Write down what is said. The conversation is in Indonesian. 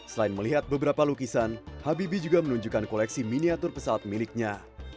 selain melihat beberapa lukisan habibie juga menunjukkan koleksi miniatur pesawat miliknya